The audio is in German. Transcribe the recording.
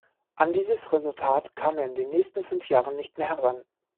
An dieses Resultat kam er in den nächsten fünf Jahren nicht mehr heran.